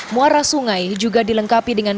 muara sungai juga dilengkapi dengan